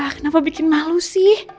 kenapa bikin malu sih